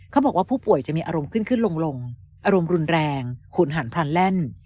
เขาบอกว่าผู้ป่วยจะมีอารมณ์ขึ้นขึ้นลงอารมณ์รุนแรงขุนหันพลันแลนด์